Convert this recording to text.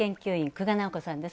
久我尚子さんです。